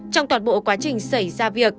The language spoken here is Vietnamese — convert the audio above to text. trong toàn bộ quá trình xảy ra việc